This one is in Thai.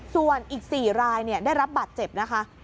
ส่วนอีก๔รายได้รับบาดเจ็บนะคะ